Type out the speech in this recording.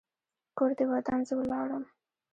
کور دې ودان؛ زه ولاړم.